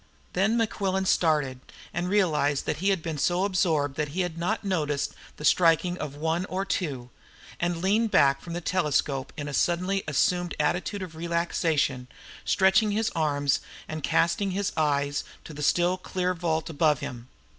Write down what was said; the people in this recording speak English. Then Mequillen started, and realised that he had been so absorbed that he had not noticed the striking of one or two, and he leaned back from the telescope in a suddenly assumed attitude of relaxation, stretching his arms, and casting up his eyes to the still clear vault above him.